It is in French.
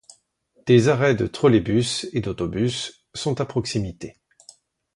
Des arrêts de Trolleybus et d'autobus sont à proximité.